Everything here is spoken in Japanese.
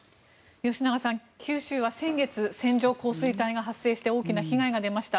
吉永さん、九州は先月線状降水帯が発生して大きな被害が出ました。